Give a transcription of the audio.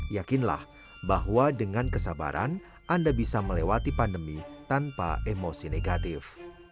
yakinlah bahwa dengan kesabaran anda bisa melewati pandemi tanpa emosi negatif